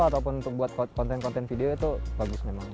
ataupun untuk buat konten konten video itu bagus memang